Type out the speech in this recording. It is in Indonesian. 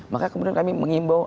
maka kemudian kami mengimbau